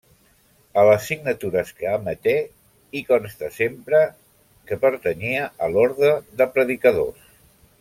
A les signatures que emeté hi consta sempre que pertanyia a l'Orde de Predicadors.